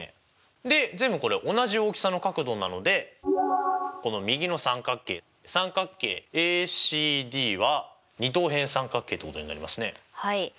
で全部これ同じ大きさの角度なのでこの右の三角形三角形ＡＣＤは二等辺三角形ってことになりますね。はい。